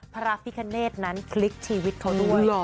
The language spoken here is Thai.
พระภิกนเรศนั้นคลิกชีวิตเขานั่วด้วย